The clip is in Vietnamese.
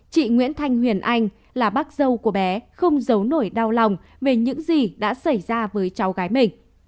chị nguyễn thanh huyền anh là bác dâu của bé không giấu nổi đau lòng về những gì đã xảy ra với cháu gái mình